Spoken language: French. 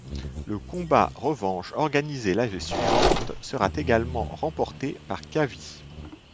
Le combat revanche organisé l'année suivante sera également remporté par Qawi.